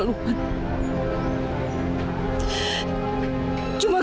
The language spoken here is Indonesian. itu semua yang itu buatku